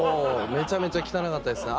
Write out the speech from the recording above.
めちゃめちゃ汚かったですね